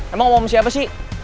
emang om om siapa sih